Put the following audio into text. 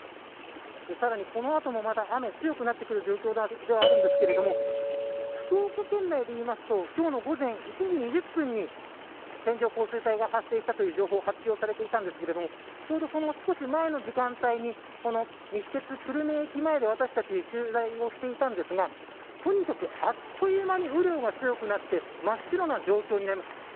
さらに、この後もまた雨強くなってくる状況ではあるんですが福岡県内でいいますよ今日の午前１時２０分に線状降水帯が発生したという情報が発表されていたんですがちょうどその少し前の時間帯にこの西鉄久留米駅前で私達、取材をしていたんですがとにかく、あっという間に雨量が強くなって真っ白な状況になります。